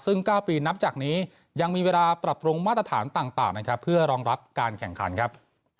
ซึ่ง๙ปีนับจากนี้ยังมีเวลาปรับปรุงมาตรฐานต่างนะครับเพื่อรองรับการแข่งขันครับ